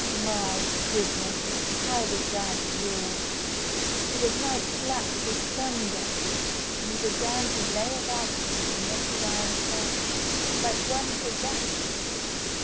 My goodness ! How the j giant roared ! It was like claps of thunder, and he began to lay about him with the knotted iron club, like one pos sessed.